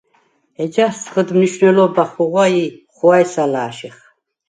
ეჯას ძღჷდ მნიშუ̂ნელობა ხუღუ̂ა ი ხუ̂ა̈ჲს ალა̄̈შიხ.